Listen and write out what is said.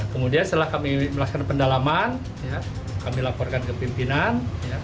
kemudian setelah kami melakukan pendalaman kami laporkan ke pimpinan